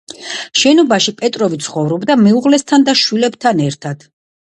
შენობაში პეტროვი ცხოვრობდა მეუღლესთან და შვილებთან ერთად.